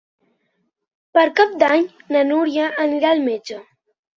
Per Cap d'Any na Núria anirà al metge.